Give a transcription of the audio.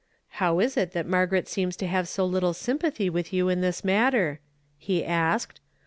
" How is it that Margaret seems to have so little sympathy with you in this maiitx ?" he asked.